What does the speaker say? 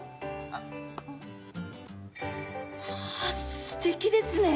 あっすてきですね。